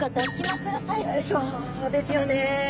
そうですよね。